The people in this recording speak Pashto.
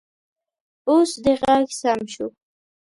اوس دې غږ سم شو